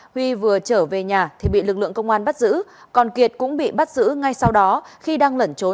huy vừa trở về nhà thì bị lực lượng công an bắt giữ